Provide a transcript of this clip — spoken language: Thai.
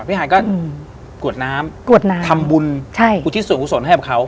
พี่ไฮก็กวดน้ำทำบุญอุชิดส่วนอุศษนให้เขา